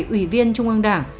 hai mươi bảy ủy viên trung ương đảng